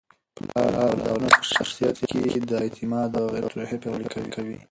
پلار د اولادونو په شخصیت کي د اعتماد او غیرت روحیه پیاوړې کوي.